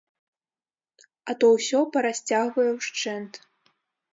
А то ўсё парасцягвае ўшчэнт.